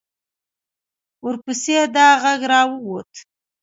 ورپسې دا غږ را ووت.